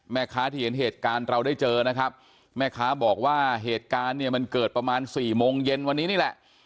แม่ค้าที่เห็นเหตุการณ์เราได้เจอนะครับแม่ค้าบอกว่าเหตุการณ์เนี่ยมันเกิดประมาณสี่โมงเย็นวันนี้นี่แหละ